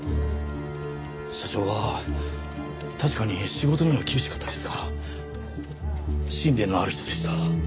社長は確かに仕事には厳しかったですが信念のある人でした。